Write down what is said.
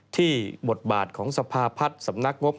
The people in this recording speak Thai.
บทบาทของสภาพัฒน์สำนักงบ